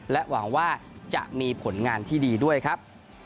หวังว่าจะมีผลงานที่ดีด้วยครับ